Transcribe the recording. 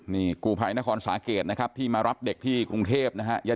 นี่กูภัยนครสาเกตนะครับที่มารับเด็กที่กรุงเทพนะฮะ